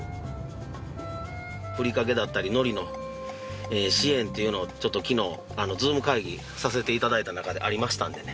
ふりかけだったり海苔の支援というのをちょっと昨日Ｚｏｏｍ会議させて頂いた中でありましたんでね